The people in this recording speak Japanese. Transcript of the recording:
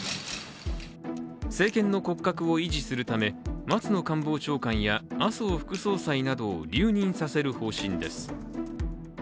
政権の骨格を維持するため松野官房長官や麻生副総裁などを留任させる方針です。